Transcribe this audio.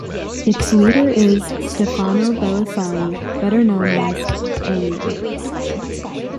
Its leader is Stefano Belisari, better known as Elio.